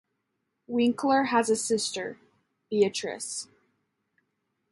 Winkler has a sister, Beatrice.